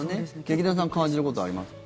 劇団さん、感じることあります？